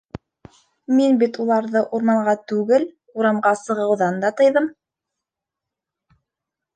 Мин бит уларҙы урманға түгел, урамға сығыуҙан да тыйҙым.